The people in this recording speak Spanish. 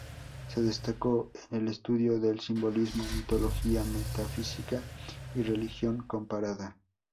Se destacó en el estudio del simbolismo, mitología, metafísica y religión comparada.